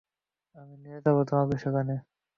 আমি নিয়ে যাবো তোমাকে সেখানে।